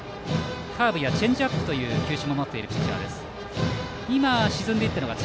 カーブやチェンジアップという球種も持っているピッチャー。